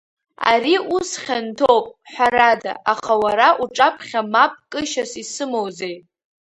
Ари ус хьанҭоуп, ҳәарада, аха уара уҿаԥхьа мап кышьас исымоузеи!